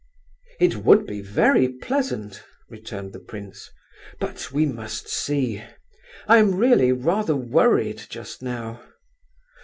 "It would be very pleasant," returned the prince. "But we must see. I am really rather worried just now.